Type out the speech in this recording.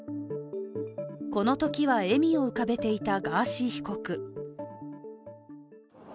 このときは笑みを浮かべていたガーシー被告。